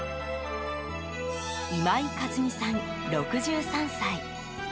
今井和美さん、６３歳。